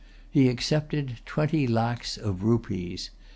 He accepted twenty lacs of rupees.